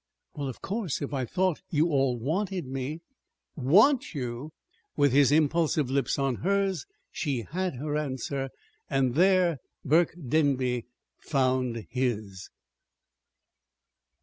"Well, of course, if I thought you all wanted me " "Want you!" With his impulsive lips on hers she had her answer, and there Burke Denby found his.